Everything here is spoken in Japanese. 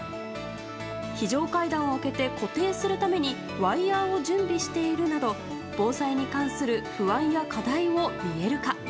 非常階段を開けて固定をするためにワイヤを準備しているなど防災に関する不安や課題を見える化。